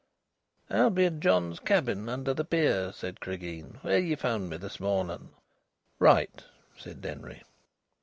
"I'll be in John's cabin, under the pier," said Cregeen, "where ye found me this mornun." "Right," said Denry.